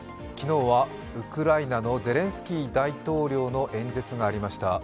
昨日はウクライナのゼレンスキー大統領の演説がありました。